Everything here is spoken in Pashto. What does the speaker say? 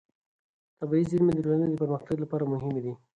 طبیعي زېرمې د ټولنې د پرمختګ لپاره مهمې دي.